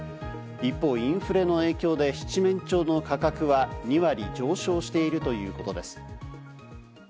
一方、インフレの影響で七面鳥の価格は２割上昇しているということです。